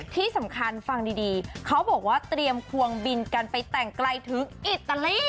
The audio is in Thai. ที่สำคัญฟังดีเขาบอกว่าเตรียมควงบินกันไปแต่งไกลถึงอิตาลี